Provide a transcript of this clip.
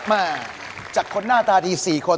มาจากคนหน้าตาดี๔คน